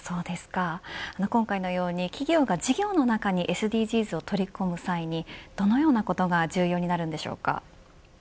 今回のように企業が事業の中にＳＤＧｓを取り込む際にどのようなことが重要になるのでしょうか。